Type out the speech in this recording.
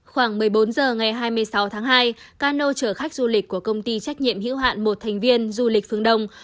khoảng một mươi bốn h ngày hai mươi sáu tháng hai cano chở khách du lịch của công ty trách nhiệm hữu hạn một thành viên du lịch phương đông